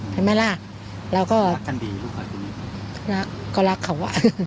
เห็นไหมล่ะแล้วก็รักกันดีลูกเขยที่นี่รักก็รักค่ะว่า